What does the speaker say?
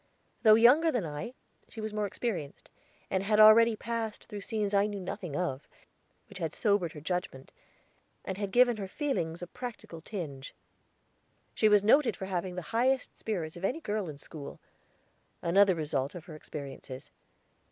Though younger than I, she was more experienced, and had already passed through scenes I knew nothing of, which had sobered her judgment, and given her feelings a practical tinge. She was noted for having the highest spirits of any girl in school another result of her experiences.